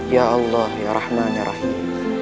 ya allah ya rahman ya rahim